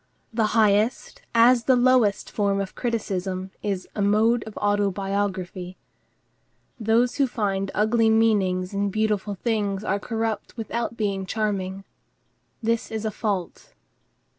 The highest as the lowest form of criticism is a mode of autobiography. Those who find ugly meanings in beautiful things are corrupt without being charming. This is a fault.